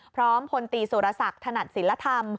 พลตีสุรศักดิ์ถนัดศิลธรรม